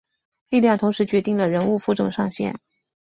力量同时决定了人物负重上限。